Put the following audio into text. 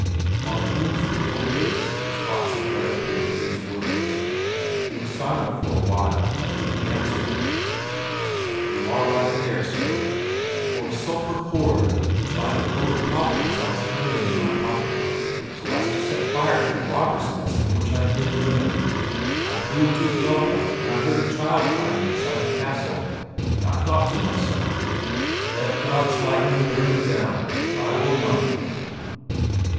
On the groom's pale face spots of red appeared at these words. He was silent for a while then he answered, "You are right there, Sir; for a sulphur cord, which by the will of Providence I was carrying in my pocket so as to set fire to the robber's nest from which I had been driven, I threw into the Elbe when I heard a child crying inside the castle, and I thought to myself, 'Let God's lightning burn it down; I will not!'"